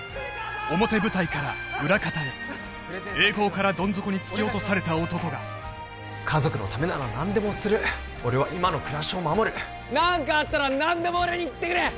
表舞台から裏方へ栄光からどん底に突き落とされた男が家族のためなら何でもする俺は今の暮らしを守る何かあったら何でも俺に言ってくれ！